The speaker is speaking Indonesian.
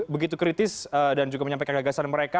begitu kritis dan juga menyampaikan gagasan mereka